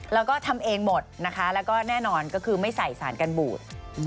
แล้วก็ทำเองหมดนะคะแล้วก็แน่นอนก็คือไม่ใส่สารกันบูด